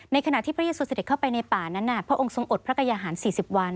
ในขณะที่พระเยซูเสร็จเข้าไปในป่านั้นน่ะพระองค์ทรงอดพระกายาหารสี่สิบวัน